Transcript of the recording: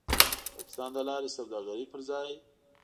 د پاکستان له لارې د سوداګرۍ پر ځای